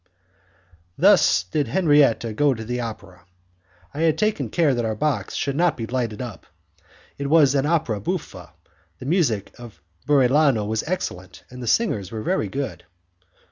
Thus did Henriette go to the opera. I had taken care that our box should not be lighted up. It was an opera buffa, the music of Burellano was excellent, and the singers were very good.